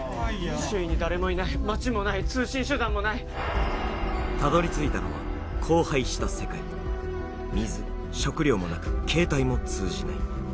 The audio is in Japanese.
周囲に誰もいない街もない通信手段もないたどりついたのは荒廃した世界水食料もなく携帯も通じない